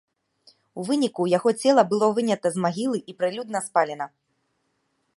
У выніку яго цела было вынята з магілы і прылюдна спалена.